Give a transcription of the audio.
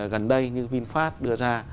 gần đây như vinfast đưa ra